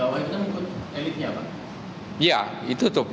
karena bawah itu kan ikut elitnya pak